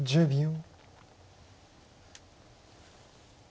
１０秒。